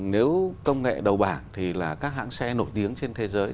nếu công nghệ đầu bảng thì là các hãng xe nổi tiếng trên thế giới